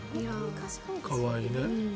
可愛いね。